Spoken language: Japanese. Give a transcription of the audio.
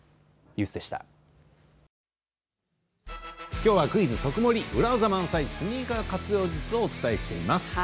きょうは「クイズとくもり」裏技満載、スニーカー活用術をお伝えしています。